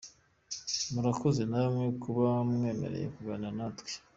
Murakoze namwe kuba mwemeye kuganira natwe.